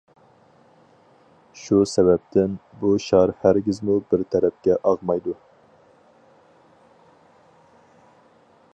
شۇ سەۋەبتىن، بۇ شار ھەرگىزمۇ بىر تەرەپكە ئاغمايدۇ.